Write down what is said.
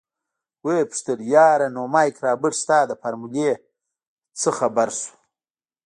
ويې پوښتل يره نو مايک رابرټ ستا د فارمولې نه څه خبر شو.